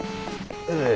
ええ。